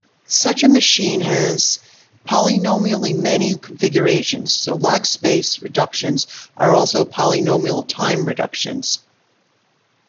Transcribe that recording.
Such a machine has polynomially-many configurations, so log-space reductions are also polynomial-time reductions.